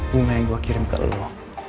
bunga yang gue kirim ke allah